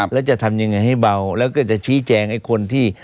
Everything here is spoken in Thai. แล้วจะทำยังไงให้เบาแล้วก็จะชี้แจงไอ้คนที่